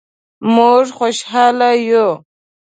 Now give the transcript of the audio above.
مونږ خوشحاله یو